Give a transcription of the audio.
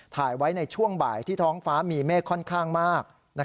ถ่ายไว้ในช่วงบ่ายที่ท้องฟ้ามีเมฆค่อนข้างมาก